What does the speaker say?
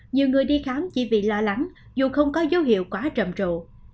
nhiều người đi khám chỉ vì lo lắng dù không có dấu hiệu quá rầm rộ